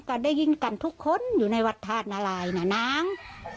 ก็ได้ยินกันทุกคนอยู่ในวัดธาตุนารายนะนาง